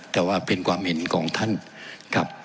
แต่ว่าเป็นความเห็นของท่านครับ